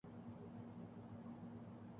امریکا کے لیے کوئی خطرہ نہیں ہیں